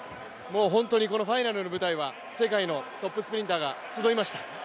本当にこのファイナルの舞台は世界のトップスプリンターが集いました。